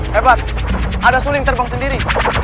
hebat ada suling terbang sendiri